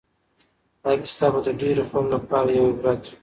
دا کیسه به د ډېرو خلکو لپاره یو عبرت وي.